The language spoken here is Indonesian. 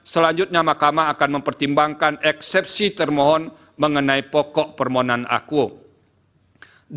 selanjutnya mahkamah akan mempertimbangkan eksepsi termohon mengenai pokok permohonan akuo